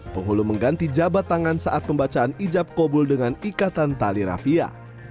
penghulu mengganti jabat tangan saat pembacaan ijab kobul dengan ikatan tali rafia